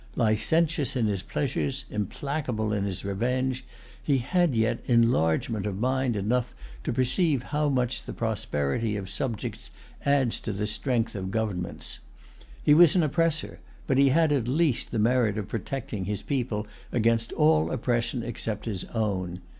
Licentious in his pleasures, implacable in his revenge, he had yet enlargement of mind enough to perceive how much the prosperity of subjects adds to the strength of governments. He was an oppressor; but he had at least the merit of protecting his[Pg 176] people against all oppression except his own.